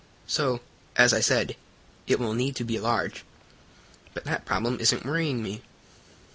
So, as I said, it will need to be large. But that problem isn't worrying me."